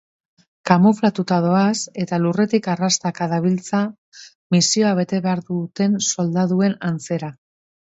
Kamuflatuta doaz eta lurretik arrastaka dabiltza misioa bete behar duten soldaduen antzera.